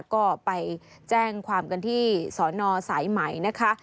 ก็ไปแจ้งความกันที่สอนอสายไหมนะคะ